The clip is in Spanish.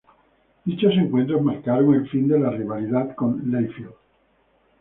Dichos encuentros marcaron el fin de la rivalidad con Layfield.